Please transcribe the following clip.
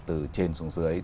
từ trên xuống dưới